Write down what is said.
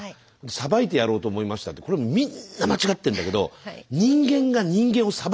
裁いてやろうと思いましたってこれみんな間違ってるんだけど人間が人間を裁いちゃいけないんですよ。